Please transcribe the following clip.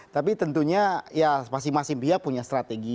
tapi tentunya ya masing masing pihak punya strategi